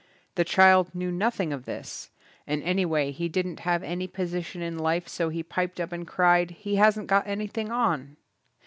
The child knew nothing of this and anyway he didn't have any position in life, so he piped up and cried, "He hasn't got anjrthing on".